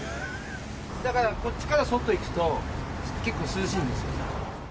だからこっちから外行くと、結構涼しいんですよ。